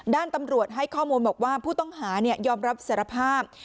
ด้านตำรวจให้ข้อมูลบอกว่าผู้ต้องหายอมรับสารภาพ